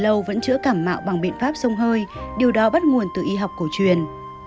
lâu vẫn chữa cảm mạo bằng biện pháp sông hơi điều đó bắt nguồn từ y học cổ truyền